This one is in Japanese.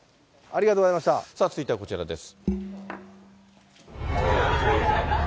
続いてはこちらです。